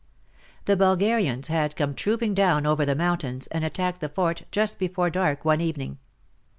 The Bulgarians had come trooping down over the mountains and attacked the fort just before dark one evening.